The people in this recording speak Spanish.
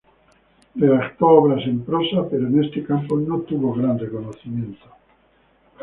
Redactó obras en prosa, pero en este campo no tuvo gran reconocimiento.